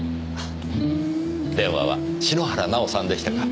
電話は篠原奈緒さんでしたか？